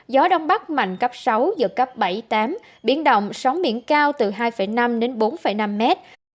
gió đông bắc mạnh cấp sáu giật cấp bảy tám biển động sóng biển cao từ hai năm đến bốn năm mét